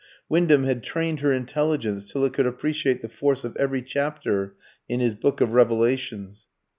Wyndham had trained her intelligence till it could appreciate the force of every chapter in his book of revelations.